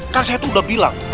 kan saya tuh udah bilang